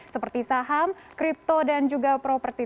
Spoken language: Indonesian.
seperti saham kripto dan juga properti